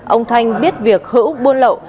ông thanh biết việc hữu buôn lộ